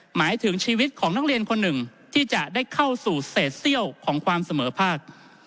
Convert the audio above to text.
หมายถึงชีวิตของนักเรียนคนหนึ่งที่จะได้เข้าสู่เศษเซี่ยวของความเสมอภาค